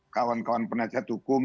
kawan kawan penasihat hukum